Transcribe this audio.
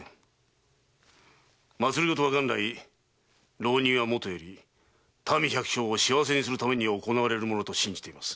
政は元来浪人はもとより民百姓を幸せにするために行われるものと信じています。